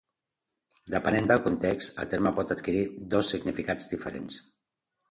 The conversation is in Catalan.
Depenent del context, el terme pot adquirir dos significats diferents.